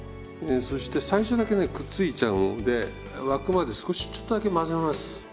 そして最初だけねくっついちゃうんで沸くまで少しちょっとだけ混ぜます。